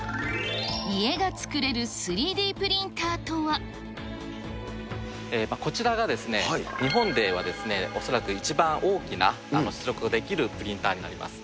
家が造れる３Ｄプリンターとこちらがですね、日本では恐らく一番大きな出力ができるプリンターになります。